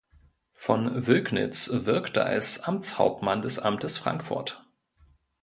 Von Wülknitz wirkte als Amtshauptmann der Amtes Frankfurt.